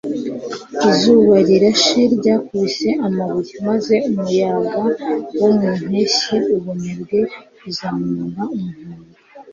izuba rirashe ryakubise amabuye, maze umuyaga wo mu mpeshyi ubunebwe uzamura umuhondo